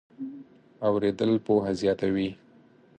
اورېدل پوهه زیاتوي.